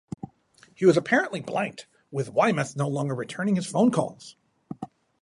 He was apparently blanked, with Weymouth no longer returning his phone calls.